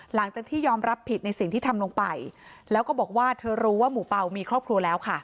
หลังจากที่ยอมรับผิดในสิ่งที่ทำลงไปแล้วก็บอกว่าเธอรู้ว่าหมู่เป่ามีครอบครัวแล้วค่ะ